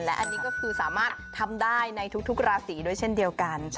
และอันนี้ก็คือสามารถทำได้ในทุกราศีด้วยเช่นเดียวกัน